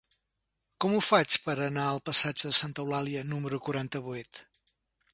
Com ho faig per anar al passatge de Santa Eulàlia número quaranta-vuit?